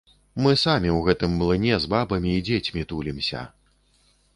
Мы самі ў гэтым млыне з бабамі і дзецьмі тулімся.